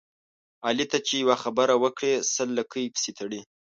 علي ته چې یوه خبره وکړې سل لکۍ پسې تړي.